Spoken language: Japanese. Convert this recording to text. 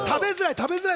食べづらい。